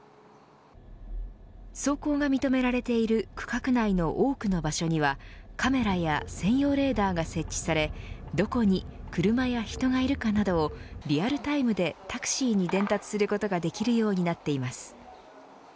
走行が認められている区画内の多くの場所にはカメラや専用レーダーが設置されどこに車や人がいるかなどをリアルタイムでタクシーに伝達することができるようになっています。